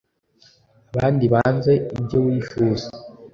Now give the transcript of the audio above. Abandi banze ibyo wifuza